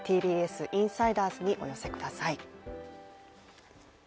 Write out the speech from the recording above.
ＴＢＳインサイダーズにお寄せください。